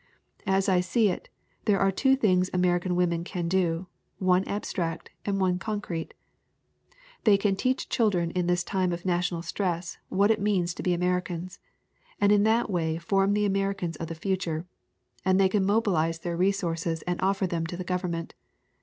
"As I see it there are two things American women can do one abstract and one concrete. They can teach children in this time of national stress what it means to be Americans, and in that way form the Americans of the future; and they can mobilize their resources and offer them to the government.